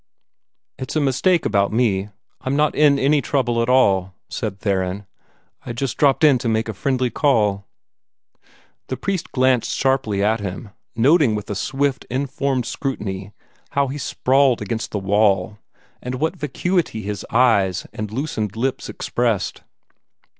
"It's a mistake about me I 'm not in any trouble at all," said Theron. "I just dropped in to make a friendly call." The priest glanced sharply at him, noting with a swift, informed scrutiny how he sprawled against the wall, and what vacuity his eyes and loosened lips expressed.